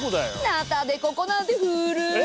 ナタデココなんて古い。